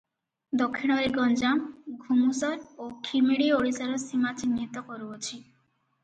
ଦକ୍ଷିଣରେ ଗଞ୍ଜାମ, ଘୁମୁଷର ଓ ଖିମିଡ଼ୀ ଓଡ଼ିଶାର ସୀମା ଚିହ୍ନିତ କରୁଅଛି ।